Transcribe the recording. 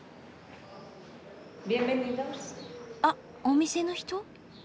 あっお店の人？